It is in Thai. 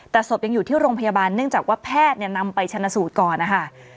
แต่ศพยังอยู่ที่โรงพยาบาลเนื่องจากว่าแพทย์นำไปชนะสูตรก่อนนะคะ